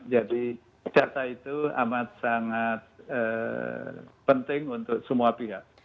jadi data itu amat sangat penting untuk semua pihak